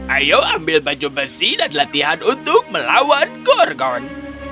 ayo ambil baju besi dan latihan untuk melawan gorgon